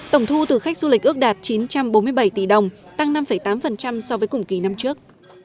tổng thu từ khách du lịch ước đạt chín trăm bốn mươi bảy tỷ đồng tăng năm tám so với cùng kỳ năm trước